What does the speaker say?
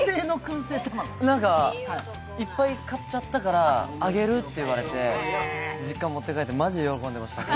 いっぱい買っちゃったからあげるって言われて、実家持って帰って、マジで喜んでいました。